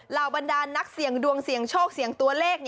บรรดานนักเสี่ยงดวงเสี่ยงโชคเสี่ยงตัวเลข